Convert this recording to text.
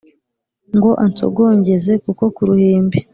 ngo ansogongeze ku ko ku ruhimbi,